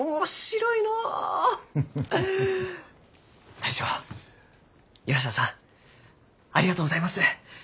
大将岩下さんありがとうございます。